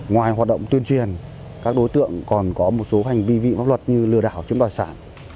ngoài hoạt động tuyên truyền các đối tượng còn có một số hành vi vị pháp luật như lừa đảo chứng tỏ sản